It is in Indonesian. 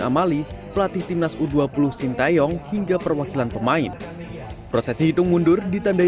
amali pelatih timnas u dua puluh sintayong hingga perwakilan pemain proses hitung mundur ditandai